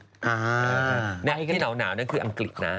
ที่เหนานี่คืออังกฤษนะ